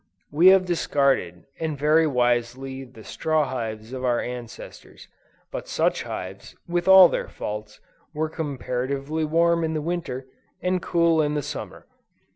We have discarded, and very wisely, the straw hives of our ancestors; but such hives, with all their faults, were comparatively warm in Winter, and cool in Summer.